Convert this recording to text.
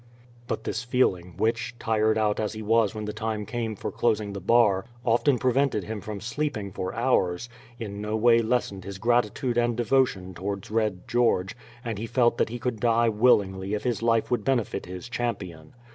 But this feeling, which, tired out as he was when the time came for closing the bar, often prevented him from sleeping for hours, in no way lessened his gratitude and devotion towards Red George, and he felt that he could die willingly if his life would benefit his champion.